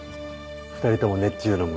２人とも熱中の虫。